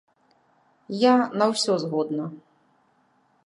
Я на ўсё згодна.